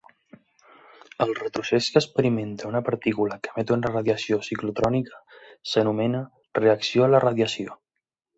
El retrocés que experimenta una partícula que emet una radiació ciclotrònica s'anomena "reacció a la radiació".